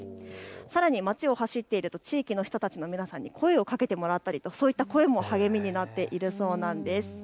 さらに街を走っていると地域の人たちの皆さんに声をかけてもらったり、そういった声も励みになっているそうなんです。